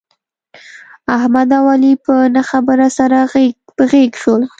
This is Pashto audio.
احمد او علي په نه خبره سره غېږ په غېږ شول.